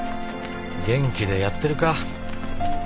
元気でやってるか？